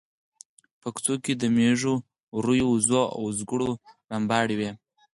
په کوڅو کې د مېږو، وريو، وزو او وزګړو رمبهار و.